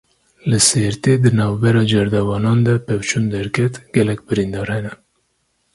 Li Sêrtê di navbera cerdevanan de pevçûn derket, gelek birîndar hene.